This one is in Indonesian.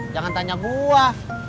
jangan tanya gua